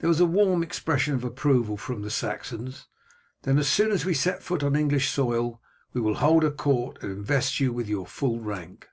There was a warm expression of approval from the Saxons. "Then as soon as we set foot on English soil we will hold a court, and invest you with your full rank."